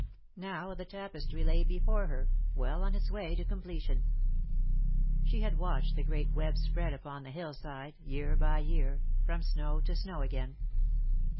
Now the tapestry lay before her, well on its way to completion. She had watched the great web spread upon the hillside, year by year, from snow to snow again.